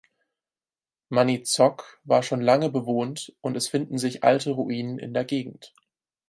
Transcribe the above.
Maniitsoq war schon lange bewohnt und es finden sich alte Ruinen in der Gegend.